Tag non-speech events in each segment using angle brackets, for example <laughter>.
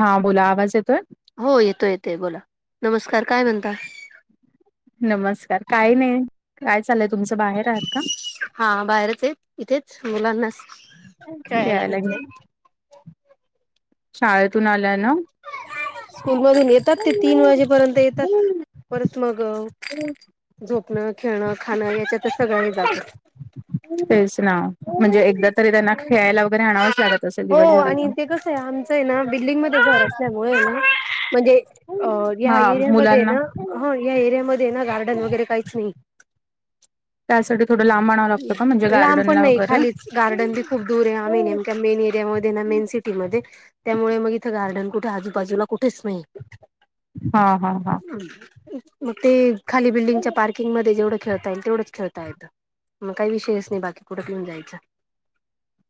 हा बोला, आवाज येतोय? हो येतो येतोय बोला, नमस्कार काय म्हणता? नमस्कार काय नाही, काय चालय तुमचं बाहेर आहात का? हा बाहेरच आहेत इथेच मुलांना खेळायला खेळायला घेऊन घेतलेत. शाळेतून आल्या ना? स्कूलमधून येतात. ते तीन वाजेपर्यंत येतात. परत मग झोपणं, खेळणं, खाणं याच्यात सगळ्यांनी जातं. तेच ना. म्हणजे एकदा तरी त्यांना खेळायला वगैरे आणावंच ला हो. आणि ते कसं आहे आमचं आहे ना बिल्डिंगमध्ये घर असल्यामुळे ना म्हणजे हा या एरियामध्ये मुलांना ना ह या एरियामध्ये ना गार्डन वगैरे काहीच नाही. त्यासाठी थोडं लांब लागतं का म्हणजे लांब पण गार्डनला नाही वगैरे? खालीच गार्डन बी खूप दूर आहे आमीम मेन यामध्ये ना मेन सिटी म त्यामुळे मग इथं गार्डन कुठे आजूबाजूला कुठेच नाही. हा हा हा. मग ते खाली बिल्डिंगच्या पार्किंगमध्ये जेवढं खेळता येईल तेवढंच खेळता येत. मग काही विषयच नाही बाकी कुठे घेऊन जायचा.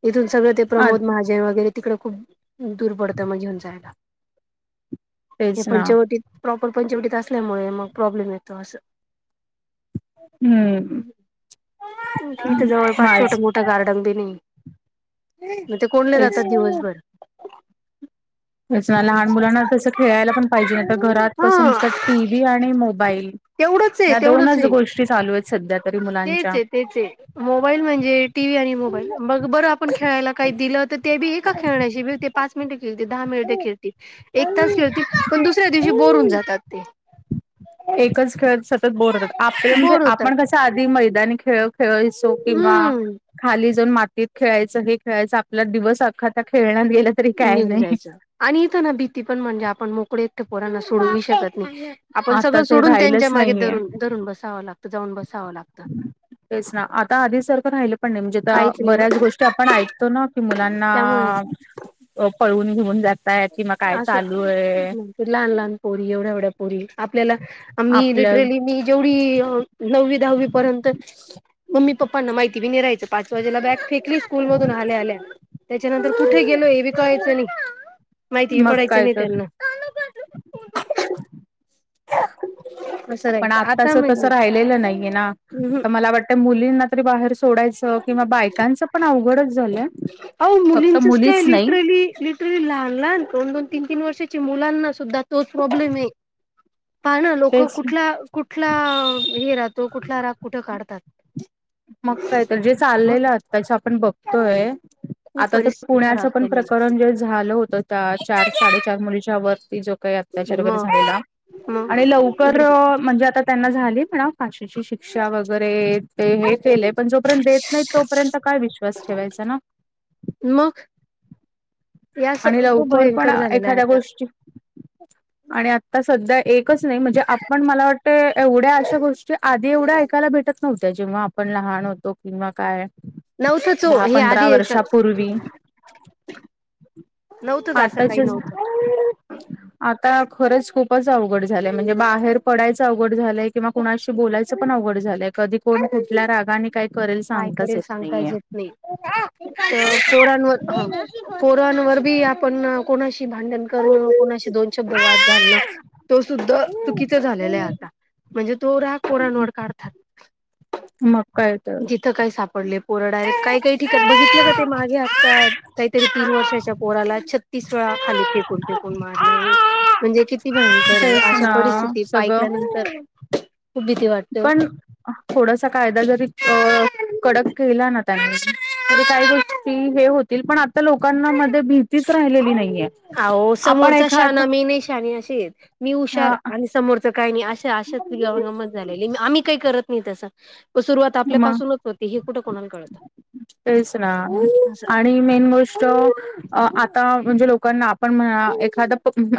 इथून सगळं ते अ प्रमोद महाज वगैरे तिकडं खूप दूर पडतं मग घेऊन जायला. हे तेच ना पंचवटीत प्रॉपर पंचवटीत असल्यामुळे मग प्रॉब्लेम येतो असं. हम्म. इथ जवळपास माझ छोटे-मोठे गार्डन बी नाही. मग ते कोणले तेच जातात दिवसभर‌. लहान मुलांना तसं खेळायला पण पाहिजे नाही तर घरात कसं हा. नुसतं टी व्ही आणि मोबाईल तेवढंच हाय. तेवढ त्याच गोष्टी चालू आहेत. सध्या तरी मुलांच्या. तेचआहे. तेच आहे. मोबाईल म्हणजे टी व्ही आणि मोबाईल मग बरं आपण खेळायला काही दिलं तर ते बी आहे का खेळण्या पाच मिनिटे खेळती दहा मिनिटे खेळती एक तास खेळती पण दुसऱ्या दिवशी बोर होउन जातात ते. एकच खेळ सतत बोर होतात. आपले म्हणजे बोर होतात आपण कस आधी मैदानी खेळ खेळायसो. किंवा हम्म खाली जाऊन मातीत खेळायचं हे खेळायचं आपला दिवस आखा त्या खेळण्यात गेला. तरी काय निघून नाही. जायचं. आणि इथं ना भीती पण म्हणजे आपण मोकळे एकटे पोरांना सोडवू शकत नाही. आपण सगळं आताच सोडून राहिलंच त्यांच्या मागे नाहीये. धरून धरून बसावं लागत. जाऊन बसावं लागतं. तेच ना आता आधी सारखं राहिलं पण नाही. म्हणजे आ काहीच नाही बऱ्याच गोष्टी आपण ऐकतो ना. मुलांना त्यामुळे पळवून घेऊन जातय किं काय चालू आहे. लहान-लहान पोरी एवढ्या एवढ्या पोरी आपल्याला मी आपल्या लिटरली मी जेवढी नववी दहावी पर्यंत मम्मी पप्पांना माहिती बी नि रायं पाच वाजेला बॅग फेकली स्कूल मधून आल्या आल्या. त्याच्यानंतर कुठे गेलो हे बी कलायचं नाही. माहिती बी मग पडायचं काय नाही तर त्यांना. असं पण राहायचं आता आत्ताच तसं म्हणजे राहिलेलं नाहीये ना. आता मला वाटत मुलींना तरी बाहेर सोडायच किंवा बायकांच पण अवघडच झालंय. फक्त मुलीच नाही तरी लहान लहान दोन-दोन, तीन- तीन वर्षाची मुलांना सुद्धा तोच प्रॉब्लेम आहे. पा ना लोक तेच कुठला कुठला हे राहतो कुठला राग कुठं काढतात. मग काय तर जे चाललेलं आ त्याताच्या आपण बघतोय खूप आता ते परिस्थिती पुण्याच खराब पण झालेली प्रकरण जे झालं होत. त्या चार साडेचार मुलीच्या वरती जो काही त्याच्या वगैरे मग झालेला. मग आणि लवकर इकडे म्हणजे आता त्यांना झाली पण फशीेची शिक्षा वगैरे ते केले. पण जोपर्यंत देत नाही तोपर्यंत काय विश्वास ठेवायचा ना? मग या आणि खूप लवकर पण भयंकर झालेला आहे एखाद्या आता गोष्टी <inaudible> आणि आता सध्या एकच नाही. म्हणजे आपण मला वाटते एवढ्या अशा गोष्टी आधी एवढ्या ऐकायला भेटत नव्हत्या जेव्हा आपण लहान होतो. किंवा काय नव्हतंच हो दहा हे पंधरा आधी वर्षापूर्वी <inaudible> नव्हतंच असं काही आतााच्याच नव्हतं आता खरंच खूपच अवघड झालंय. म्हणजे बाहेर पडायचं अवघड झालंय. किंवा कुणाशी बोलायचं पण अवघड झालंय. कधी कोण कुठल्या रागाने काही करेल काय सांगताच करेल येत नाहीय. सांगताच येत नाही तर पोरांवर हो पोरांवर बी आपण कोणाशी भांडण करणं, कोणाशी दोन शब्द वाद घालणं तो सुद्धा चुकीचं झालेला आहे आता. म्हणजे तो राग पोरांवर काढतात. मग काय तर ईथ काही सापडले. पोरं डायरेक्ट काय काय काही ठिकण बघितलं का? ते मागे आता काहीतरी तीन वर्षाच्या पोराला छत्तीस वेळा? खाली फेकून फेकून मारलंय. म्हणजे किती भयं? कर आहे. तेच अशा ना परिस्थिती सगळं ऐकल्यानंतर खूप भीती वाटते पण थोडासा कायदा जरी अ कडक केला ना त्यांनी काही गोष्टी हे होतील. पण आता लोकांना भीतीच राहिलेली नाहीये. अओ आपण समोरचा एखाद शहाना मी नाही शानी. अशी मी हा हुशार आणि समोरच काही नाही. अशी अशत गंमत झालेली आहे. आम्ही काही करत नाही तस सुरुवात आपल्या म पाासूनच होती? हे कुठे कोणाला कळत? नाही मेन गोष्ट अ आता म्हणजे लोकांना आपण म्हणा. एखाद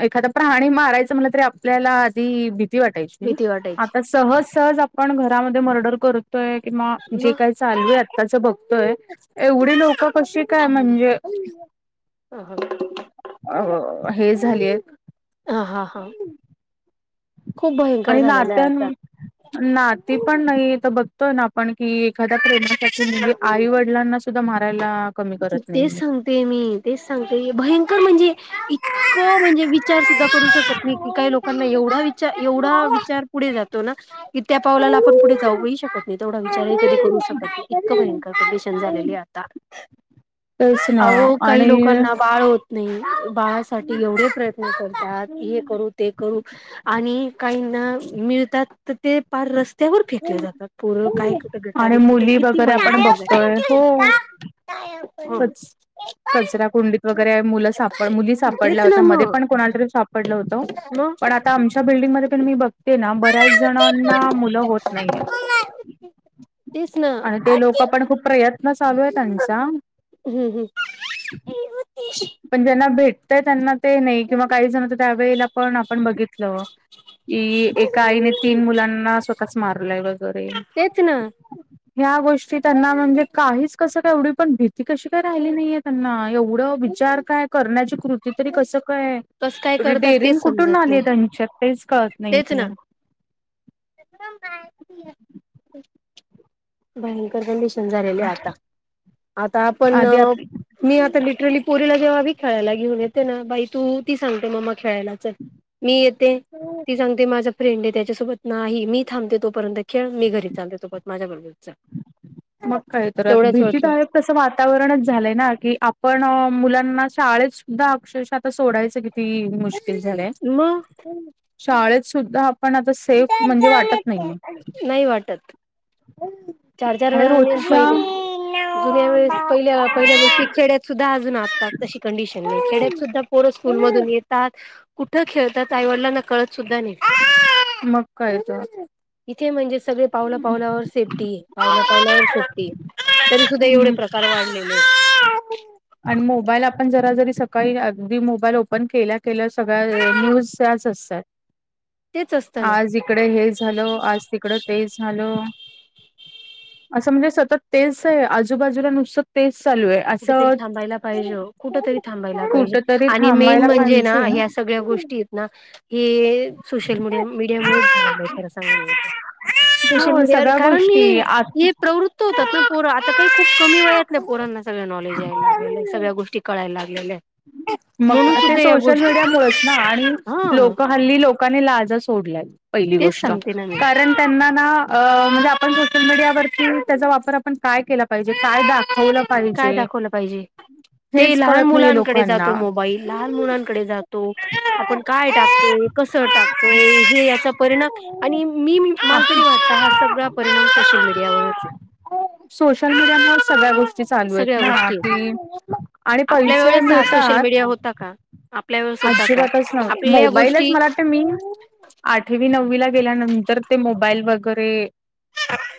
एखाद प्राणी मारायचं म्हणल तरी आप आपल्याला आधी भि भीती वाय भीती आ वाटायची सहज सहज आपण घरामध्ये मर्डर करतोय किंवा जे मग का चालली आत्ताच बघतोय एवढी लोक कशी काय? म्हणजे? ह हां <inaudible> अ हे झालीय. हा हा हा <inaudible> खूप भयंकर झालेला आहे आता. ना ती पण नाही तर बघतोय ना आपण की? एखाद्या प्रेमासाठी म्हणजे? आई वडिलांना सुद्धा मारायला कमी म करत ते नाहीये सांग ते मी तेच सांगते भयंकर म्हणजे? इतकं म्हणजे विचार सुद्धा करू नई. की काही लोकांना एवढा विचार, एवढा विचार पुढे जातो ना की त्या पावलाला आपण पुढे जाऊही शकत नाही? तेवढा विचारही की करू शकत नाही? इतकी भयंकर कंडिशन झालेली आहे. आता <inaudible> तेच ना अहो काही आणि लोकांना बाळ होत नाही बाळासाठी एवढे प्रयत्न करतात. हे करु ते करू आणि काही ना मिळतात. तर ते पार रस्त्यावर फेकले जातात? पोर काय कुठं आणि गटारीत, कुठं मुली किती वगैरे आपण भयंकर बघतोय हो काय? <inaudible> कच कचरा कुंडीत वगैरे मुलं सापड मुली सापडल्या तेच ना होत्या. मध्ये पण मग कोणाला तरी सापडलं होतं. मग पण आता आमच्या बिल्डिंगमध्ये पण मी बघते ना? बऱ्याच जणांना मुलं होत नाहीयेत. तेच ना आणि ते लोक पण खूप प्रयत्न चालू आहे. त्यांचा हम्म हम्म. पण ज्यांना भेटतय त्यांना ते नाय किंवा काही जणच्यात त्यावेळेला पण आपण बघितलं की एका आईने तीन मुलांना स्व तःच मारलय वगैरे. तेच ना. ह्या गोष्टी त्यांना म्हणजे काहीच कसं का एवढी पण भी ती कशी काय राहिली नाहीये त्यांना एवढं विचार काय करण्याची कृती तरी कस काय कस काय करतात डेअरिंग तेच कुठून समजत आली आहे नाही त्यांच्यात तेच कळत तेच नाहीये. ना <unintelligible> भयंकर झालेले आता. आता आपण आधी आप मी आता लिटरली पोरीला जेव्हा बी खेळायला घेऊन येते ना बाई तू ती सांगते मम्मा खेळायला चल, मी येते ती सांगते माझं फ्रेंड ए त्याच्यासोबत नाही मी थांबते तोपर्यंत खेळ, मी घरी चालले तू पण माझ्याबरोबर चल. मग काय तर आता तेवढ्याच वेळ खेळ भीतीदायक तसं वातावरणच झालंय ना की आपण मुलांना शाळेत सुद्धा अक्षरशा आता सोडायचं की ती मुश्किल झालय. म. शाळेत सुद्धा पण आता सेफ म्हणजे वाटत नाहीये. नाही वाटत चार चार आणि वेळाने रोजच्या पहिले जुन्या वेळेस पहिल्या पहिल्या गोष्टी खेड्यात सुद्धा अजून आता आता तशी कंडिशन नाय. खेड्यात सुद्धा पोर स्कूल मधून येतात कुठं खेळतात आईवडिलांना कळत सुद्धा नाय. मग कळ तर. इथे म्हणजे सगळे पावला पावलावर सेफ्टी. आहे पावला पावलावर सेफ्टी तरी सुद्धा एवढे हम्म. प्रकार वाढलेले ए. आणि मोबाईल आपण जरा जरी सकाळी अगदी मोबाईल ओपन केल्या केल्या सगळ्या न्यूज त्याच असतात. तेच असतं ना आज इकडे हे झाल, आज तिकडं ते झाल. असं म्हणजे सतत तेच आय आजूबाजूला नुसतं तेच चालू आय. कुठेतरी थांबायला पाहिजे ओ, कुठ तरी थांबायला कुठ पाहिजे तरी आणि मेन थांबायला म्हणजे ना पाहिजे. ह्या सगळ्या गो ष्टी एत ना हे सोशल मीडिया मुळेच झालेलं आय खर सांगायाला गेलं तर. सोशल हो मीडिया सगळ्या कारण गोष्टी आत हे प्रवृत्त होतात ना पोरं आता काही खूप कमी वयातल्या पोरांना सगळ नॉलेज यायला लागेलंय सगळ्या गोष्टी कळायला लागलेल्या आय. मग ते सोशल मीडिया मुळेच ना आणि हा लोक हल्ली लोक कांनी लाजा सोडल्यात पहिली तेच गोष्ट. सांगते ना मी कारण त्यांना ना अ म्हणजे आपण सोशल मीडियावरती त्याचा वापर आपण काय केला पाहिजे काय दाखवल काय दाखवलं पाहिजे ते लहान कळत नाहीये मुलांनक डे -जातो लोकांना मोबाईल लहान मुलांकडे जातो. आपण काय टाकतोय कसं टाकतोय हे याचा परिणाम आणि मी मला तरी वाटत हा सगळा परिणाम सोशल मीडियावरच ए. सोशल मीडियामुळ सगळ्या गोष्टी ची चालू आयत सगळ्या ना गोष्टी आहेत ते आणि आपल्या पैसे वेळेस मिळ हा सोशल मीडिया होता का? आपल्या वेळेस होता का अजिबातच नव्हता. आपल्याला या मोबाईलच गोष्टी मला वाटतं मी आठवी नववीला गेल्यानंतर ते मोबाईल वगैरे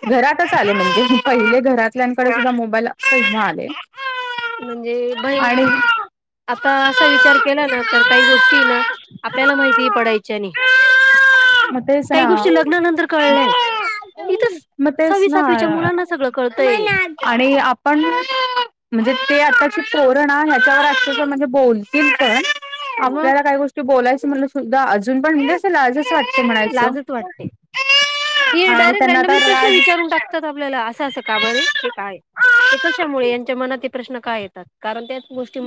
घरातच आले, म्हणजे पहिले घरातल्यांकडे सुद्धा मोबाईल पहिला आले. म्हणजे <inaudible> बाई आणि आता असा विचार केला ना, तर काही गोष्टी ना आपल्याला माहिती पडायच्या आणि मग तेच काही ना गोष्टी लग्नानंतर कळलंय इथ मग तेच सववी, ना सातवीच्या मुलांना सगळं कळतय. आणि आपण म्हणजे ते आताची <inaudible> परण ह्याच्यावर अ म्हणजे. बोलतील पण. मग आपल्याला काही गोष्टी बोलायचं म्हटलं सुद्धा अजून <inaudible> पणसेलजं वाट ते म्हणायचं लाजच वाटते. हे आणि डायरेक्ट त्यांना आता रँडमली प्रश्न राज विचारून टाकतात आपल्याला असं असं का बर आहे. हे काय ते कशामुळे यांच्या मनात प्रश्न काय येतात. कारण त्या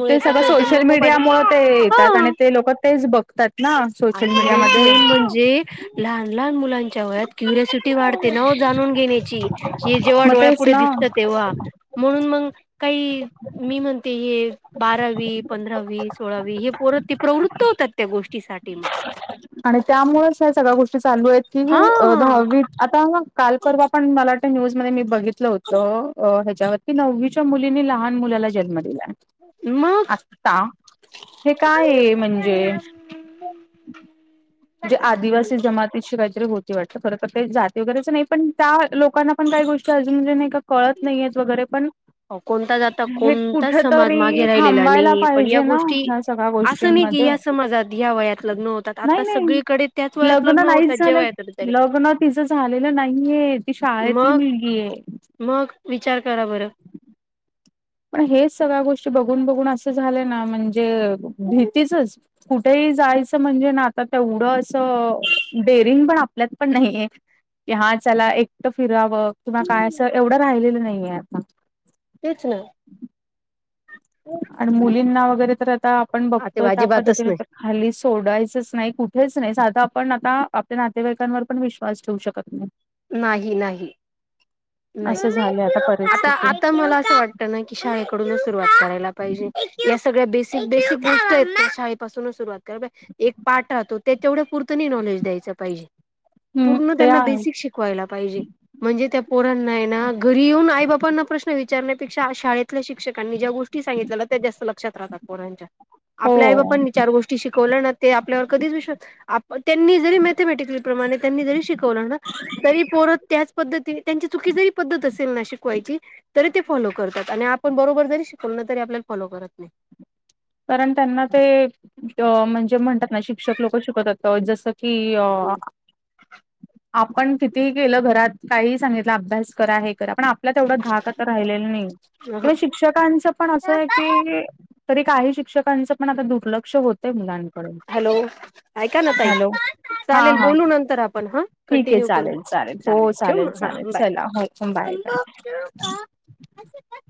ते सगळं सोशल मीडिया मु ते येतात हा आणि ते लोक तेच बघतात ना. सोशल आणि मीडिया मेन मध्ये <inaudible> लहान लह मुलांच्या व क्युस वाढते ना जाणून घेण्याची हे जेव्हा मग तेच डोळ्यापुढे ना. दिसत तेव्हा. म्हणून मग काही मी म्हणते हे बारावी, पंधरावी, सोळावी हे प्रवृत्त होतात त्या गोष्टीसाठी मग आणि त्यामुळेच ह्या सगळ्या गोष्टी चालू आहेत की हा दहावी आता काल परवा पण मला वाटतं न्यूज मध्ये मी बघितलं होतं ह्याच्यावर की नववीच्या मुलीनी लहान मुलाला जन्म दिलाय. मग आता हे <inaudible> काय म्हणजे <inaudible> ण जे आदिवासी जमाती शिवाय <inaudible> वाटर जाते वगैरेच नाही पण त्या लोकांना पण काही गोष्टी अजून नाही का कळत नाहीयेत वगैरे पण हो कोणता <inaudible> ज आाता हे कुठ कोणताच समाज तरी मागे राहिलेला थांबायला नाही. पण या पाहिजे ना गोष्टी ह्या सगळ्या असं नाही की गोष्टींमध्ये या मजात ह्या वयात लग्न होतात नाही, आता नाही सगळीकडे त्याच वयात लग्न होतात नाहीच जे झालं. वयात लग्न तिचं झालेलं नाहीये. ती शाळेतली मग मुलगी आहे. मग विचार करा बरं. पण हेच सगळ्या गोष्टी बघून, बघून असं झाले ना म्हणजे भीतीचच कुठेही जायचं म्हणजे ना, आता तेवढं असं डेरिंग पण आपल्यात पण <inaudible> नाहीे. की हा त्याला एकटं फिरावं किंवा काय असं एवढं राहिलेलं नाहीये आता तेच ना आणि मुलींना वगैरे तर आता आपण बघतोय आता त्या अजिबातच पद्धतीने नाही तर हाली सोडायचंच नाही कुठेच नाही. साधा आपण आता आपल्या नातेवाईकांवर पण विश्वास ठेवू शकत नाही. नाही, नाही, नाही असं झालंय आता परिस्थिती आता मला असं वाटत क शाळेकडूनच सुरुवात करायला पाजे <inaudible> सगळ्या बेसिक, बेसिक गोष्ट शाळेत पासूनच सुरुवात करा एक पाठ राहतो. त्याच्यावढं पुूर्त नॉलेज द्यायच पाहिजे. हम्म पूर्ण ते त्यांना आहे बेसिक शिक <inaudible> जे म्हणजे. त्या पोरां घरी येऊन आई बाांना प्रश्न. विचारण्यापेक्षा शाळेतल्या शिक्षकांनी ज्या गोष्टी सांगितल्या त्या जास्त लक्षात राहतात कोणाच्या आपल्या आई हो बापांनी चार गोष्टी शिकवल्या ना ते आपल्यावर कधीच <inaudible> विश त्यांनी जरी <inaudible> मथमट प्र त्यांनी जरी शिकवलं तरी <inaudible> परत त्याच पद्धती त्यांची चुकी जरी पद्धत असेल ना शिकवायची तरी ते फॉलो करतात आणि आपण बरोबर जरी शिकवल ना, तरी आपल्याला फॉलो करत नाही. कारण त्यांना ते त म्हणजे म्हणतात ना शिक्षक लोक शिकवतात जसं की अं आपण कितीही केलं घरात, काहीही सांगितलं अभ्यास करा हे करा पण आ आपला तेवढा धाक राहिलेला नाही पण अहं. शिक्षकांच पण असयकी तरी काही शिक्षकांच पण आता दुर्लक्ष होतंय मुलांकडून हॅलो ऐका ना ताई हा चालेल हा बोलू नंतर आपण हा ठीक आहे कंटिन्यू करू, चालेल हो चालेल ठेव मग चालेल हां बाय. चला हो बाय बाय <inaudible>